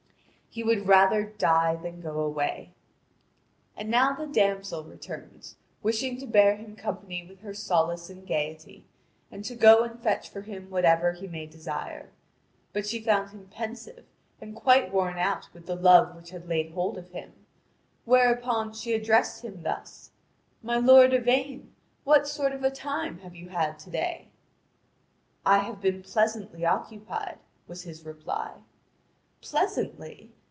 He would rather die than go away. And now the damsel returns, wishing to bear him company with her solace and gaiety, and to go and fetch for him whatever he may desire. But she found him pensive and quite worn out with the love which had laid hold of him; whereupon she addressed him thus: "My lord Yvain, what sort of a time have you had to day?" "I have been pleasantly occupied," was his reply. "Pleasantly?